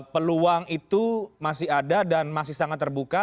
peluang itu masih ada dan masih sangat terbuka